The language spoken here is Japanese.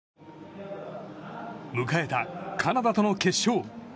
迎えたカナダとの決勝。